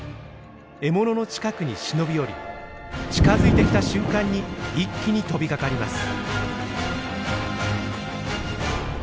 獲物の近くに忍び寄り近づいてきた瞬間に一気に飛びかかります。